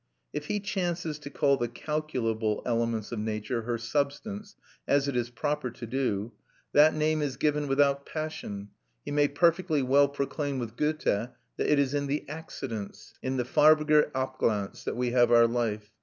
If he chances to call the calculable elements of nature her substance, as it is proper to do, that name is given without passion; he may perfectly well proclaim with Goethe that it is in the accidents, in the farbiger Abglanz, that we have our life.